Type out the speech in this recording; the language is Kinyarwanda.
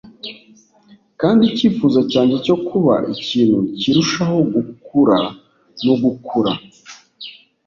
kandi icyifuzo cyanjye cyo kuba ikintu kirushaho gukura no gukura